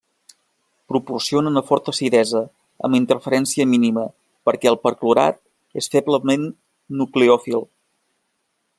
Proporciona una forta acidesa amb interferència mínima perquè el perclorat és feblement nucleòfil.